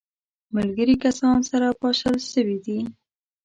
ملګري کسان سره پاشل سوي دي.